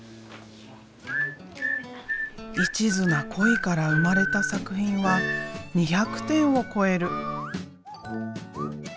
一途な恋から生まれた作品は２００点を超える。